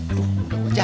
aduh udah gue jauh